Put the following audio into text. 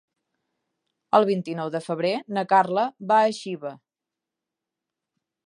El vint-i-nou de febrer na Carla va a Xiva.